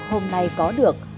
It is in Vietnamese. hôm nay có được